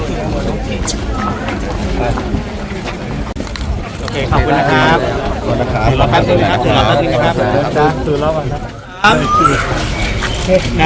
ขอบคุณมากขอบคุณค่ะ